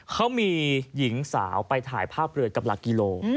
เขามีหญิงสาวไปถ่ายภาพเรือกับหลักกิโล